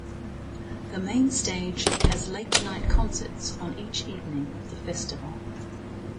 The main stage has late night concerts on each evening of the festival.